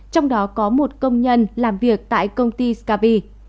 trong đó có một công nhân làm việc tại công ty scapi